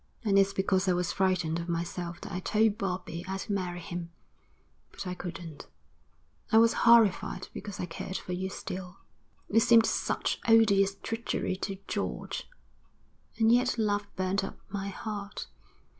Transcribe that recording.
And it's because I was frightened of myself that I told Bobbie I'd marry him. But I couldn't. I was horrified because I cared for you still. It seemed such odious treachery to George, and yet love burnt up my heart.